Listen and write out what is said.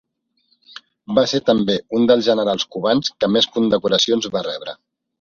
Va ser també un dels generals cubans que més condecoracions va rebre.